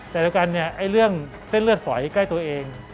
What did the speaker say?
แต่เรื่องเส้นเลือดฝอยใกล้ตัวเอง